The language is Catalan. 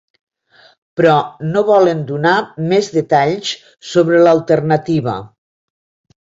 Però no volen donar més detalls sobre l’alternativa.